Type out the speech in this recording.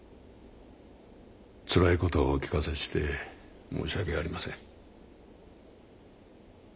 つらいことをお聞かせして申し訳ありません。